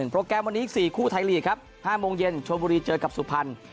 โปรแกรมวันนี้อีก๔คู่ไทยลีกครับ๕โมงเย็นชวนบุรีเจอกับสุพรรณ